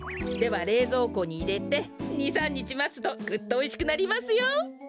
ではれいぞうこにいれて２３にちまつとぐっとおいしくなりますよ。